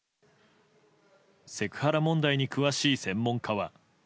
セクハラ問題に詳しい専門家は。